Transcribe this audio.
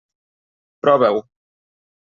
Prova-ho.